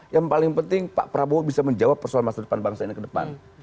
yang paling penting pak prabowo bisa menjawab persoalan masa depan bangsa ini ke depan